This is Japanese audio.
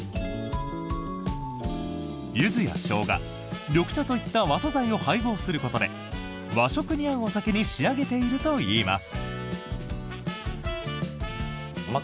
ユズやショウガ緑茶といった和素材を配合することで和食に合うお酒に仕上げているといいます。